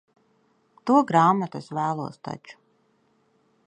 To grāmatu es vēlos taču.